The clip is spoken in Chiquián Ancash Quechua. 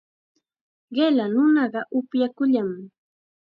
Qilla nunaqa upyakunllam.